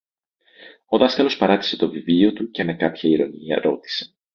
Ο δάσκαλος παράτησε το βιβλίο του και με κάποια ειρωνεία ρώτησε